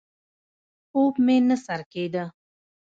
خوب مې نه سر کېده.